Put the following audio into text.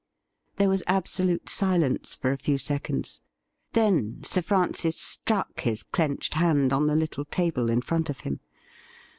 There was absolute silence for a few seconds. Then Sir Francis struck his clenched hand on the little table in front of him.